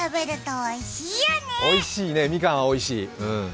おいしいね、みかんはおいしい。